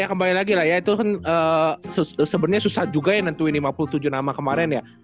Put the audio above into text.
ya kembali lagi lah ya itu kan sebenarnya susah juga ya nentuin lima puluh tujuh nama kemarin ya